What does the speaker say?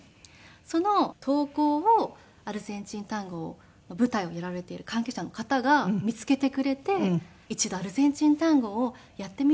その投稿をアルゼンチンタンゴの舞台をやられている関係者の方が見つけてくれて一度アルゼンチンタンゴをやってみないですか？